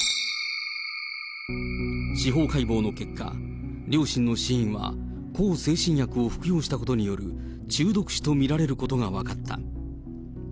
司法解剖の結果、両親の死因は向精神薬を服用したことによる中毒死と見られることが分かった。